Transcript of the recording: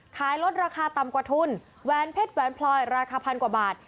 ขายลดราคาต่ำกว่าทุนแหวนเพชรแหวนพลอยราคาพันกว่าบาท